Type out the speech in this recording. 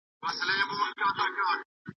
ټولنپوهنه يوه عامه او ټوليزه څانګه ده.